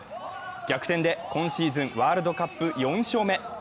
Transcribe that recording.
逆転で今シーズンワールドカップ４勝目。